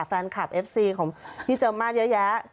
แฟนคลับเอฟซีของพี่เจิมมาเยอะแยะ